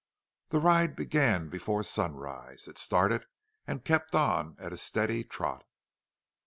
The ride began before sunrise. It started and kept on at a steady trot.